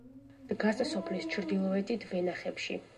დგას სოფლის ჩრდილოეთით ვენახებში.